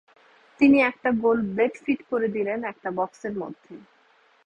তিনি একটা গোল ব্লেড ফিট করে দিলেন একটা বক্সের মধ্যে।